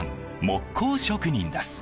木工職人です。